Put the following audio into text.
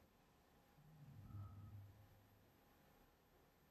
زه اوس استراحت کوم.